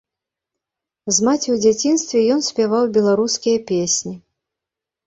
З маці ў дзяцінстве ён спяваў беларускія песні.